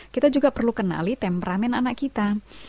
kita juga perlu kenali temperamen anak kita